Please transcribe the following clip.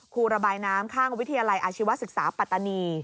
ครูระบายน้ำข้างวิทยาลัยอาชีวศึกษาปัตตานี